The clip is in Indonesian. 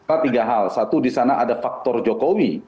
ada tiga hal satu disana ada faktor jokowi